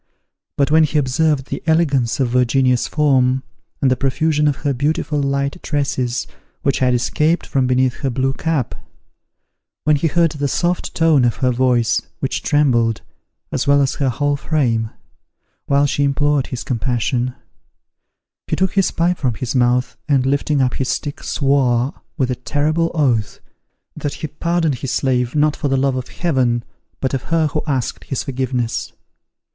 But when he observed the elegance of Virginia's form, and the profusion of her beautiful light tresses which had escaped from beneath her blue cap; when he heard the soft tone of her voice, which trembled, as well as her whole frame, while she implored his compassion; he took his pipe from his mouth, and lifting up his stick, swore, with a terrible oath, that he pardoned his slave, not for the love of Heaven, but of her who asked his forgiveness.